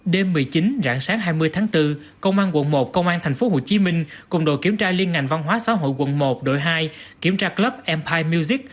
đêm một mươi chín rạng sáng hai mươi tháng bốn công an quận một công an tp hcm cùng đội kiểm tra liên ngành văn hóa xã hội quận một đội hai kiểm tra club empire music